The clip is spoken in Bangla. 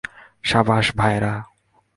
সাব্বাশ, ভাইয়েরা।